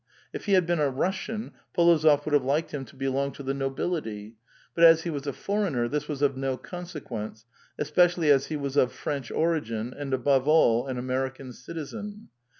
If he had been a Russian, P61ozof would have liked him to belong to the nobility.^ But as he was a foreigner, this was of no consequence, especially as he was of French origin, and, above all, an American citizen.